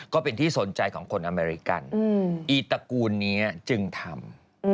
ก็เป็นที่สนใจของคนอเมริกันอีตระกูลนี้จึงทำ